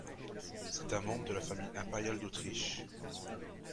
C'est un membre de la famille impériale d'Autriche.